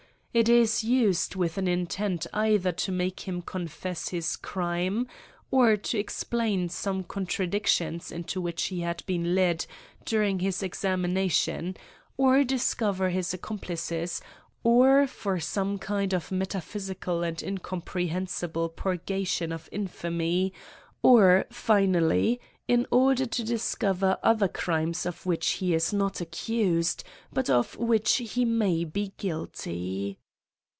It is used with an intent either to make him confess his crime, or to explain some contra dictions into which he had been led during his ex amination, or discover his accomplices, or fomeome kind of metaphysical and incomprehensible purga tion of infamy, or, finally, in order to discover other crimes of which he is not accused, but of which he may be guilty.